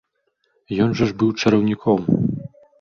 Ён жа ж быў чараўніком.